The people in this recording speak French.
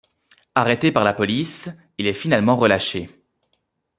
Arrêté par la police, il est finalement relâché.